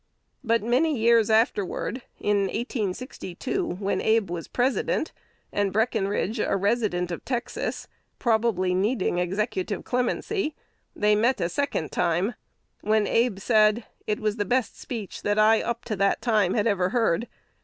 But many years afterwards, in 1862, when Abe was President, and Breckenridge a resident of Texas, probably needing executive clemency, they met a second time; when Abe said, "It was the best speech that I up to that time had ever heard.